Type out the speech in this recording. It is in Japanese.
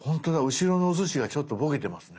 後ろのおすしがちょっとボケてますね。